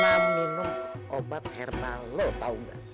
karena minum obat herbal lo tau gak